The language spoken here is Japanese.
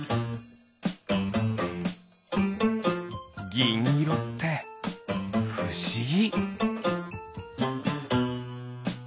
ぎんいろってふしぎ。